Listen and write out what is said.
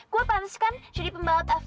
gue pantas kan jadi pembalot f satu